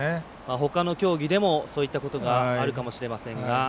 ほかの競技でもそういったことがあるかもしれませんが。